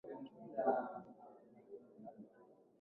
filamu mbili zilichezwa kwenye meli ya titanic